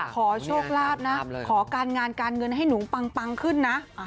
ขอโชคลาภนะขอการงานการเงินให้หนูปังขึ้นนะ